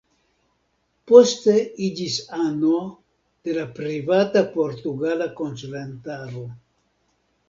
Poste iĝis ano de la Privata Portugala Konsilantaro.